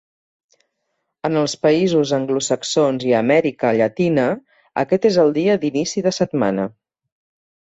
En els països anglosaxons i a Amèrica Llatina aquest és el dia d'inici de setmana.